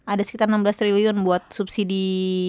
ada sekitar enam belas triliun buat subsidi